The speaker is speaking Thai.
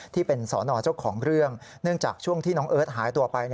ที่เป็นสอนอเจ้าของเรื่องเนื่องจากช่วงที่น้องเอิร์ทหายตัวไป